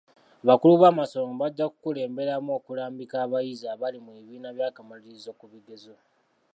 Abakulu b'amasomero bajja kukulemberamu okulambika abayizi abali mu bibiina by'akamaliririzo ku bigezo.